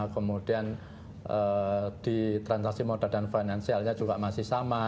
kemudian di transaksi modal dan finansialnya juga masih sama